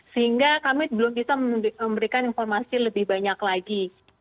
sehingga kami belum bisa memberikan informasi lebih banyak lagi